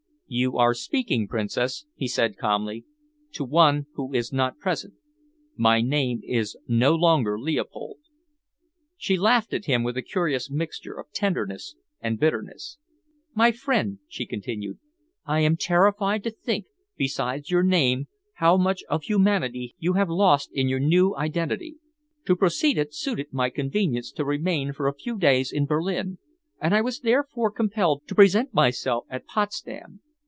"You are speaking, Princess," he said calmly, "to one who is not present. My name is no longer Leopold." She laughed at him with a curious mixture of tenderness and bitterness. "My friend," she continued, "I am terrified to think, besides your name, how much of humanity you have lost in your new identity. To proceed it suited my convenience to remain for a few days in Berlin, and I was therefore compelled to present myself at Potsdam.